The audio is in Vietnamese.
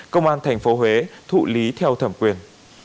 công an tp huế thụ lý theo thẩm quyền